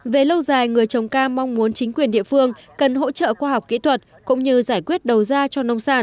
về lâu dài người trồng cam mong muốn chính quyền địa phương cần hỗ trợ khoa học kỹ thuật cũng như giải quyết đầu ra cho nông sản